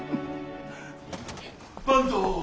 坂東。